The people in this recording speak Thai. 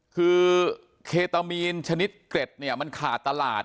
คือเคตามีนชนิดเกร็ดเนี่ยมันขาดตลาด